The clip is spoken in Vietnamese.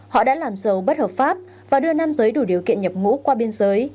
họ đã làm dầu bất hợp pháp và đưa nam giới đủ điều kiện nhập ngũ qua biên giới